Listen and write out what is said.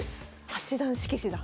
八段色紙だ。